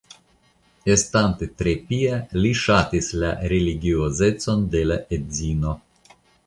Estante tre pia li ŝatis la religiozecon de la edzino.